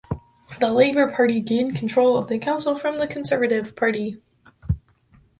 The Labour Party gained control of the council from the Conservative Party.